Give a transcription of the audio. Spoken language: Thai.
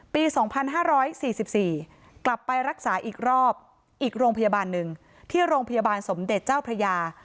ปี๒๕๔๔กลับไปรักษาอีกรอบอีกโรงพยาบาลหนึ่งที่โรงพยาบาลสมเด็จเจ้าพระยา